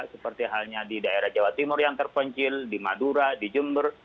seperti halnya di daerah jawa timur yang terpencil di madura di jember